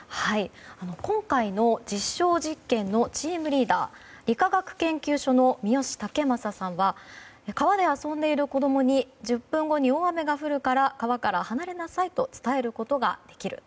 今回の実証実験のチームリーダー理化学研究所の三好建正さんは川で遊んでいる子供に１０分後に大雨が降るから川から離れなさいと伝えることができる。